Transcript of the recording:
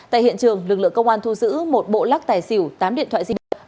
tại hiện trường lực lượng công an thu giữ một bộ lắc tài xỉu tám điện thoại di động